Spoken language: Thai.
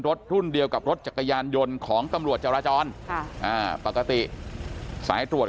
รุ่นเดียวกับรถจักรยานยนต์ของตำรวจจราจรค่ะอ่าปกติสายตรวจ